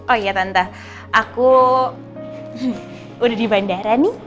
oh iya tante aku udah di bandara nih